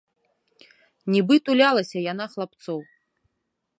Нібы тулялася яна хлапцоў.